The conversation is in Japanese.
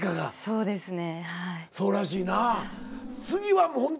そうですね。